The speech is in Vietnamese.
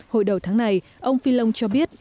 hồi đầu tháng này ông fillon cho biết